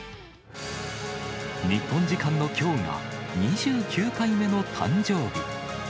日本時間のきょうが２９回目の誕生日。